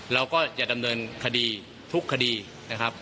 เราก็จะดำเนินคดีทุกคดีนะครับ